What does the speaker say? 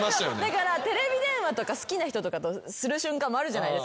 だからテレビ電話とか好きな人とかとする瞬間もあるじゃないですか。